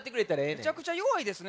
めちゃくちゃよわいですね。